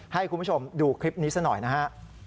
ให้คุณผู้ชมดูคลิปนี้ซะหน่อยนะฮะ